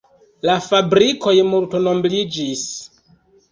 La fabrikoj multobliĝis.